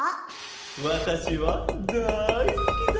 わたしはだいすきだ！